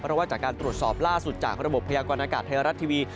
เพราะว่าจากการตรวจสอบล่าสุดจากระบบพยากรณากาศไทยรัฐทีวี